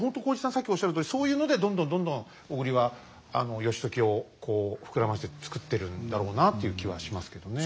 さっきおっしゃるとおりそういうのでどんどんどんどん小栗は義時を膨らまして作ってるんだろうなという気はしますけどね。